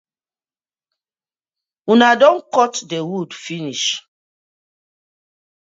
Una don kot the wood finish.